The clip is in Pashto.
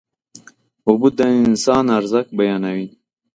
اوبه د انسان ارزښت بیانوي.